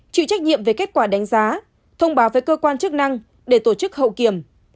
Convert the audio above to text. chịu trách nhiệm về kết quả đánh giá thông báo với cơ quan chức năng để tổ chức hậu kiểm